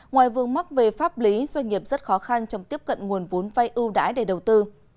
ngoài vương mắc về pháp lý doanh nghiệp rất khó khăn trong tiếp cận nguồn vốn vay ưu đãi để đầu tư